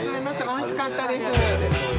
おいしかったです。